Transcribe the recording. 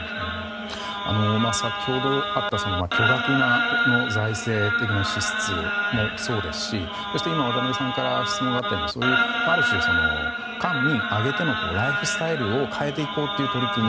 先ほどあった巨額の財政的な支出もそうですし今、渡辺さんから質問があったようなある種、官民挙げてのライフスタイルを変えていこうという取り組み。